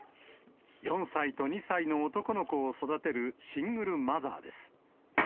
４歳と２歳の男の子を育てる、シングルマザーです。